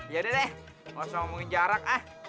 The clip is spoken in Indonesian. ya udah deh langsung ngomongin jarak ah